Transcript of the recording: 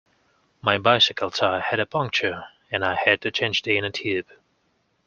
My bicycle tyre had a puncture, and I had to change the inner tube